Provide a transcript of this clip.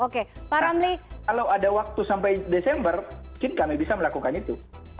kalau ada waktu sampai desember mungkin kami bisa melakukan itu